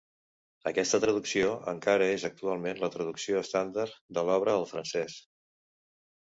Aquesta traducció encara és actualment la traducció estàndard de l'obra al francès.